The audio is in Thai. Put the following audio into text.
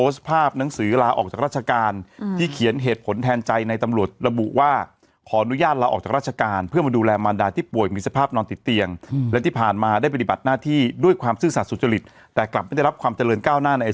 เดี๋ยวขอพบเปิดดูก่อนนะ